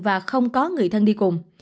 và không có người thân đi cùng